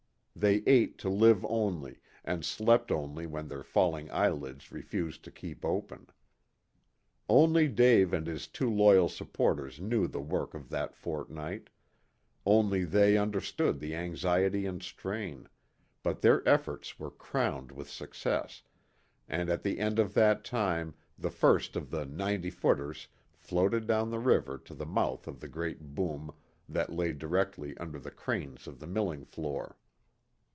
They ate to live only, and slept only when their falling eyelids refused to keep open. Only Dave and his two loyal supporters knew the work of that fortnight; only they understood the anxiety and strain, but their efforts were crowned with success, and at the end of that time the first of the "ninety footers" floated down the river to the mouth of the great boom that lay directly under the cranes of the milling floor.